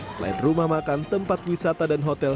selain rumah makan tempat wisata dan hotel